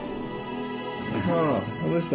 どうした？